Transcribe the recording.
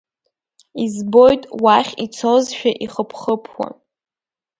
Избоит уахь ицозшәа ихыԥхыԥуа…